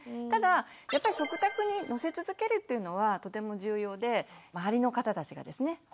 ただ食卓にのせ続けるっていうのはとても重要で周りの方たちがですね